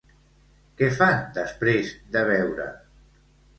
Què fan després de beure?